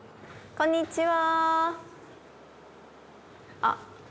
こんにちは。